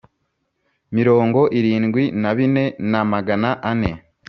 mirongo irindwi na bine na Magana ane